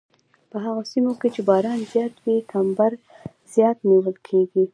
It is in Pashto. په هغو سیمو کې چې باران زیات وي کمبر زیات نیول کیږي